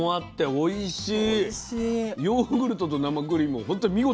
おいしい。